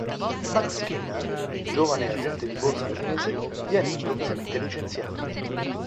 Max Skinner, giovane agente di borsa londinese, viene improvvisamente licenziato.